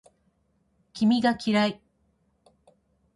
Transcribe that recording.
君が嫌い